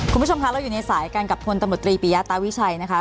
คุณผู้ชมคะเราอยู่ในสายกันกับพลตำรวจตรีปียะตาวิชัยนะคะ